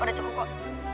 udah cukup kok